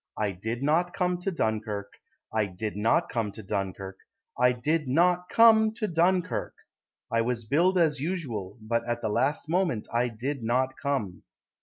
I did not come to Dunkirk, I did not come to Dunkirk, I did not come to Dunkirk; I was billed as usual, But at the last moment I did not come.